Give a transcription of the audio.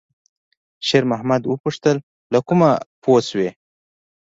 شېرمحمد وپوښتل: «له کومه پوه شوې؟»